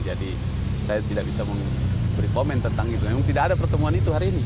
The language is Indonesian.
jadi saya tidak bisa beri komen tentang itu memang tidak ada pertemuan itu hari ini